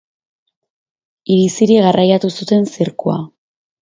Hiriz hiri garraitu zuten zirkua.